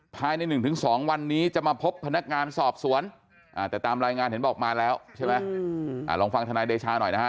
ภายใน๑๒วันนี้จะมาพบพนักงานสอบสวนแต่ตามรายงานเห็นบอกมาแล้วใช่ไหมลองฟังธนายเดชาหน่อยนะฮะ